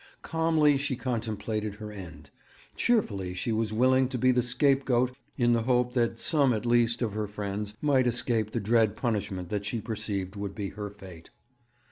Calmly she contemplated her end; cheerfully she was willing to be the scapegoat, in the hope that some at least of her friends might escape the dread punishment that she perceived would be her fate.